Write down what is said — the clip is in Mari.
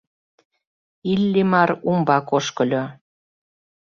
Иллимар умбак ошкыльо.